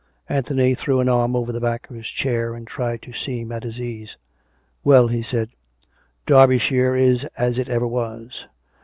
" Anthony threw an arm over the back of his chair, and tried to seem at his ease. " Well," he said, " Derbyshire is as it ever was.